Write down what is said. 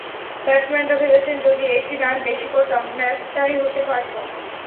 ব্যাটসম্যানরা ভেবেছেন, যদি একটি রান বেশি করতাম, ম্যাচ টাই হতে পারত।